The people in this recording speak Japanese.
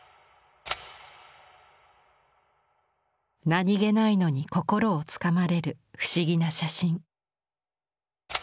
何気ないのに心をつかまれる不思議な写真。